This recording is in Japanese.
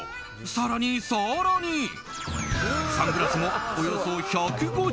更に更にサングラスもおよそ１５０個。